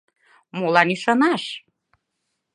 Молан ӱшанаш?